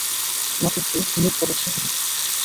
নাপিতকে লুট করেছে!